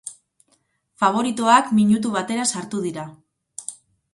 Faboritoak minutu batera sartu dira.